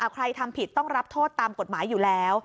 ใครทำผิดต้องรับโทษตามกฎหมายอยู่แล้ว